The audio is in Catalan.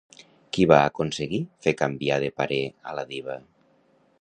Qui va aconseguir fer canviar de parer a la diva?